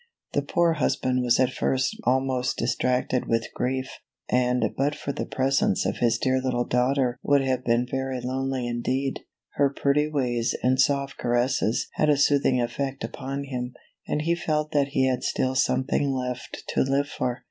The poor husband was at first almost distracted with grief, and but for the presence of his dear little daughter would have been very lonely indeed. Her pretty ways and soft caresses had a soothing effect upon him, and he felt that he had still something left to live for.